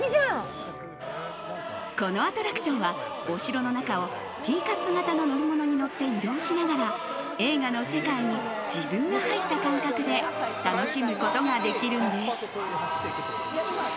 このアトラクションはお城の中をティーカップ型の乗り物に乗って移動しながら映画の世界に自分が入った感覚で楽しむことができるんです。